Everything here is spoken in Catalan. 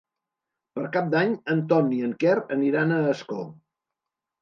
Per Cap d'Any en Ton i en Quer aniran a Ascó.